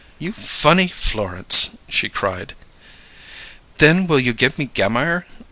"You funny Florence!" she cried. "Then will you give me Gammire?"